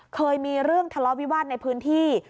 เคยมีเรื่องทะเลาะวิวาสในพื้นที่